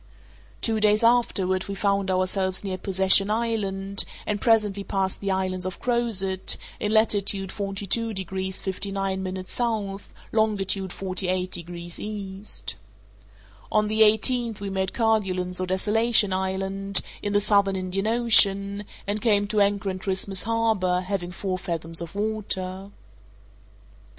Two days afterward we found ourselves near Possession Island, and presently passed the islands of Crozet, in latitude 42 degrees 59' S., longitude 48 degrees E. On the eighteenth we made Kerguelen's or Desolation Island, in the Southern Indian Ocean, and came to anchor in Christmas Harbour, having four fathoms of water.